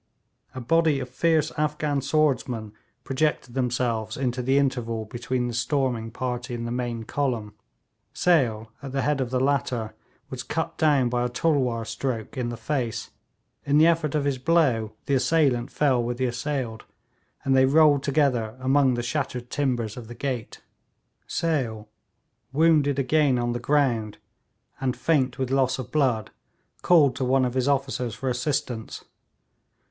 A body of fierce Afghan swordsmen projected themselves into the interval between the storming party and the main column. Sale, at the head of the latter, was cut down by a tulwar stroke in the face; in the effort of his blow the assailant fell with the assailed, and they rolled together among the shattered timbers of the gate. Sale, wounded again on the ground, and faint with loss of blood, called to one of his officers for assistance.